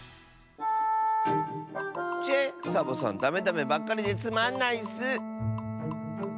ちぇっサボさんダメダメばっかりでつまんないッス。